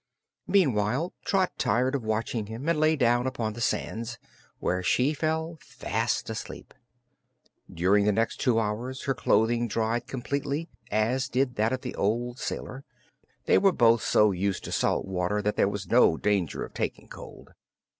Meantime Trot tired of watching him and lay down upon the sands, where she fell fast asleep. During the next two hours her clothing dried completely, as did that of the old sailor. They were both so used to salt water that there was no danger of taking cold.